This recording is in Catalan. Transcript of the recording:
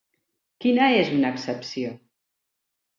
Quina és una excepció?